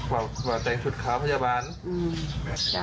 ว่าแต่งชุดขาวพยาบาล